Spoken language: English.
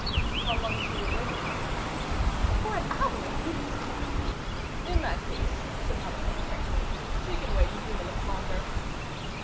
"How long has she been waiting?" "For an hour at least." "In that case," said Malicorne, tranquilly, "she can wait a few minutes longer."